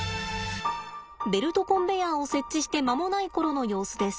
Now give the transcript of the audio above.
ベルトコンベヤーを設置して間もない頃の様子です。